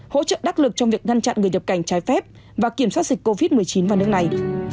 hỗ trợ đắc lực trong việc ngăn chặn người nhập cảnh trái phép và kiểm soát dịch covid một mươi chín vào nước này